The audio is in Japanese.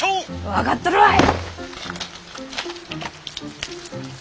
分かっとるわい！